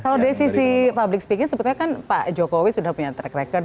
kalau dari sisi public speaking sebetulnya kan pak jokowi sudah punya track record